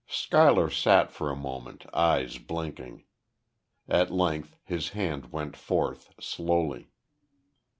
Schuyler sat for a moment, eyes blinking. At length his hand went forth, slowly.